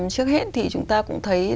trước hết thì chúng ta cũng thấy